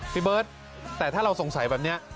พี่เบิร์ตแต่ถ้าเราสงสัยแบบนี้